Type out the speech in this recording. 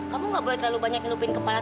kamu gak boleh terlalu banyak nyelupin kepala